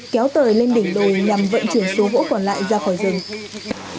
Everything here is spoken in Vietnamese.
kéo tời lên đỉnh đồi nhằm vận chuyển số gỗ còn lại ra khỏi rừng